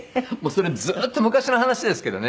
それずっと昔の話ですけどね。